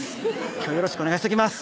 今日はよろしくお願いしときます」